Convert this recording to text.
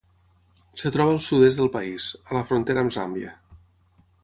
Es troba al sud-est del país, a la frontera amb Zàmbia.